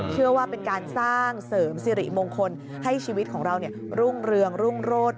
เชื่อว่าเป็นการสร้างเสริมสิริมงคลให้ชีวิตของเรารุ่งเรืองรุ่งโรธ